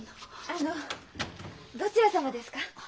あのどちら様ですか？